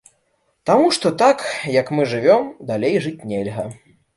Таму што так, як мы жывём, далей жыць нельга.